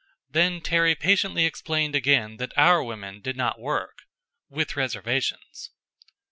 Then Terry patiently explained again that our women did not work with reservations.